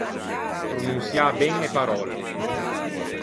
Prononçiâ ben e paròlle.